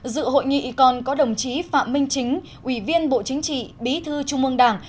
dự hội nghị còn có đồng chí phạm minh chính ủy viên bộ chính trị bí thư trung ương đảng